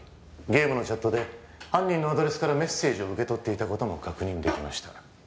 ゲームのチャットで犯人のアドレスからメッセージを受け取っていたことも確認できました